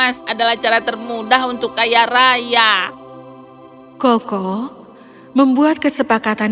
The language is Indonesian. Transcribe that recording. bagi badanku untuk satu koin emas adalah cara termudah untuk kaya raya koko membuat kesepakatan